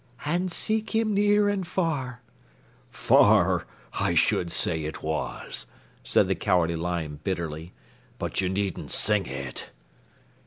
"And seek him near and far." "Fah har har! I should say it was," said the Cowardly Lion bitterly. "But you needn't sing it."